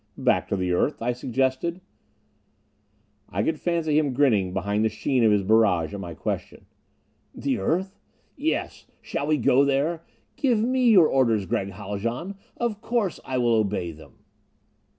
"Back to the earth?" I suggested. I could fancy him grinning behind the sheen of his barrage at my question. "The earth? Yes shall we go there? Give me your orders, Gregg Haljan. Of course I will obey them."